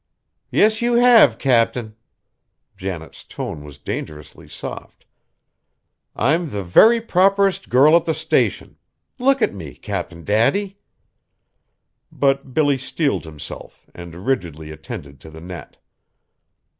"Yes, you have, Cap'n," Janet's tone was dangerously soft; "I'm the very properest girl at the Station. Look at me, Cap'n Daddy!" But Billy steeled himself, and rigidly attended to the net.